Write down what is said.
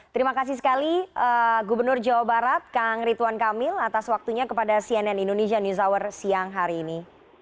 terima kasih sekali gubernur jawa barat kang rituan kamil atas waktunya kepada cnn indonesia news hour siang hari ini